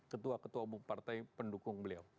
ketua ketua umum partai pendukung beliau